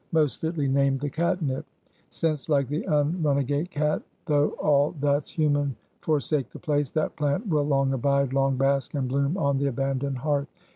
Most fitly named the catnip; since, like the unrunagate cat, though all that's human forsake the place, that plant will long abide, long bask and bloom on the abandoned hearth.